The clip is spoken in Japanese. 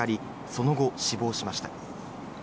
その後、死亡しました。